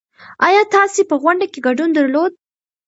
ايا تاسې په غونډه کې ګډون درلود؟